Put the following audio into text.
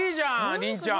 りんちゃん！